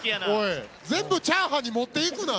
全部「チャーハン」に持っていくな！